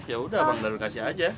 ya udah abang darwin kasih aja